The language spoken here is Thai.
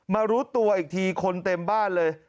รู้ตัวอีกทีคนเต็มบ้านเลย